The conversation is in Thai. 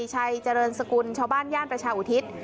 ชัยเจริญสกุลชาวบ้านย่านประชาอุทิศ